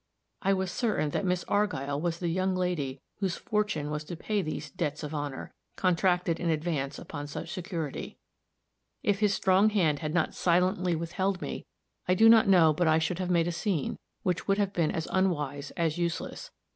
I was certain that Miss Argyll was the young lady whose fortune was to pay these "debts of honor," contracted in advance upon such security. If his strong hand had not silently withheld me, I do not know but I should have made a scene, which would have been as unwise as useless.